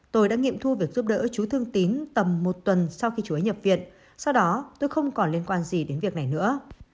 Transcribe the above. tôi đã nghiệm thu việc giúp đỡ chú thương tín tầm một tuần sau khi chú ý nhập viện sau đó tôi không còn liên quan gì đến việc này nữa